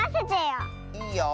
いいよ。